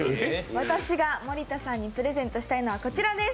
私が森田さんにプレゼントしたいのはこちらです。